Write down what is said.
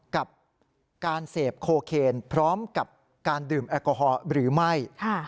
กับการเสพโคเคนพร้อมกับการดื่มแอลกอฮอล์หรือไม่